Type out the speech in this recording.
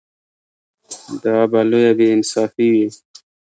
دا به لویه بې انصافي وي.